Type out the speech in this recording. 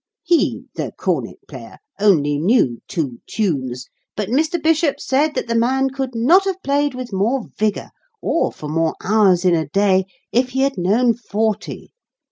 He, the cornet player, only knew two tunes, but Mr. Bishop said that the man could not have played with more vigour, or for more hours in a day, if he had known forty.